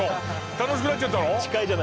楽しくなっちゃったの？